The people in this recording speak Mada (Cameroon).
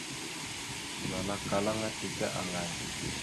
Zal akkal aŋa teke aŋay ?